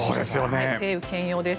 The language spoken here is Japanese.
晴雨兼用です。